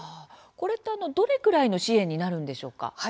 これって、どれくらいの支援になるんでしょうか。